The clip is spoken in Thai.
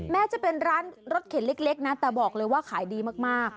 แม้จะเป็นร้านรถเข็นเล็กนะแต่บอกเลยว่าขายดีมาก